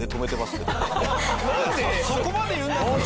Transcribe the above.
そこまで言うんだったら。